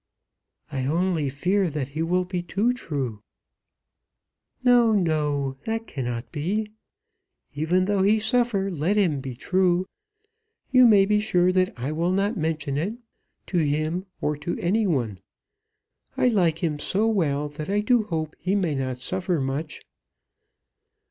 "I only fear that he will be too true." "No, no; that cannot be. Even though he suffer let him be true. You may be sure I will not mention it, to him, or to any one. I like him so well that I do hope he may not suffer much."